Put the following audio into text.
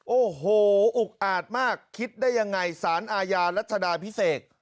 โอ้โหอุกอาจมากคิดได้ยังไงสารอาญารัชดาพิเศษ